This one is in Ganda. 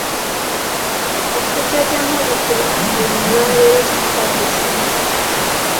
Okujja gye muli ku lunaku luno olwaleero kimpadde essanyu.